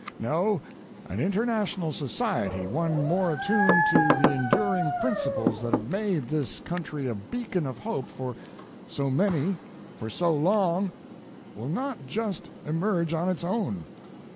No, an international society, one more attuned to the enduring principles that have made this country a beacon of hope for so many for so long, will not just emerge on its own.